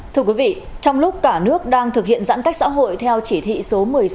thưa quý vị trong lúc cả nước đang thực hiện giãn cách xã hội theo chỉ thị số một mươi sáu